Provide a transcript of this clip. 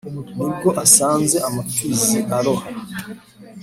ni bwo asanze amapfizi aroha